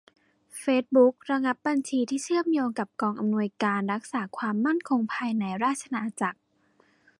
เฟซบุ๊กระงับบัญชีที่เชื่อมโยงกับ กองอำนวยการรักษาความมั่นคงภายในราชอาณาจักร